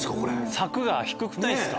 柵が低くないですか？